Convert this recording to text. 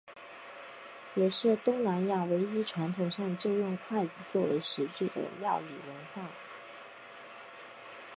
也是东南亚唯一传统上就用筷子作为食具的料理文化。